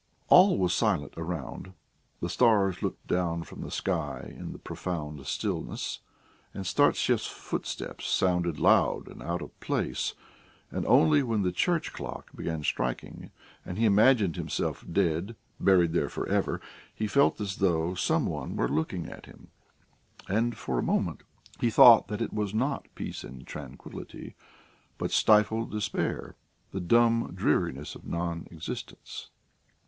All was silence around; the stars looked down from the sky in the profound stillness, and Startsev's footsteps sounded loud and out of place, and only when the church clock began striking and he imagined himself dead, buried there for ever, he felt as though some one were looking at him, and for a moment he thought that it was not peace and tranquillity, but stifled despair, the dumb dreariness of non existence....